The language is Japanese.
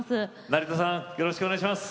成田さんよろしくお願いします。